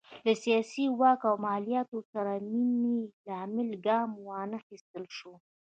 له سیاسي واک او مالیاتو سره مینې له امله ګام وانخیستل شو.